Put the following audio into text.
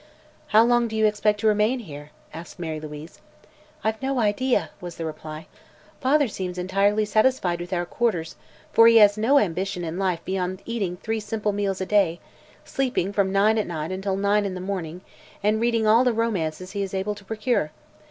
"How long do you expect to remain here?" asked Mary Louise. "I've no idea," was the reply. "Father seems entirely satisfied with our quarters, for he has no ambition in life beyond eating three simple meals a day, sleeping from nine at night until nine in the morning and reading all the romances he is able to procure.